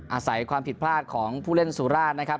อาศัยความผิดพลาดของผู้เล่นสุราชนะครับ